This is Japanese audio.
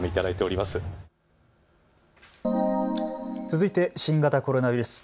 続いて新型コロナウイルス。